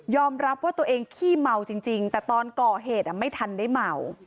รับว่าตัวเองขี้เมาจริงแต่ตอนก่อเหตุไม่ทันได้เมา